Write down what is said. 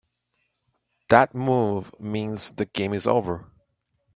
That move means the game is over.